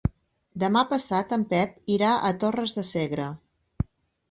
Demà passat en Pep irà a Torres de Segre.